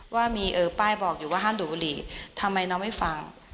ว่ามีป้ายบอกอยู่ว่าห้ามดูดบุหรี่ทำไมน้องไม่ฟัง